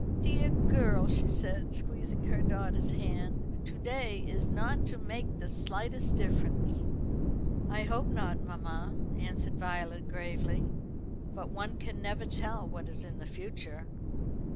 "Dear girl," she said, squeezing her daughter's hand, "to day is not to make the slightest difference." "I hope not, mamma," answered Violet gravely; "but one can never tell what is in the future.